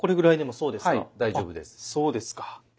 そうですか。